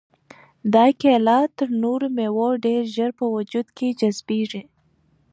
دا کیله تر نورو مېوو ډېر ژر په وجود کې جذبیږي.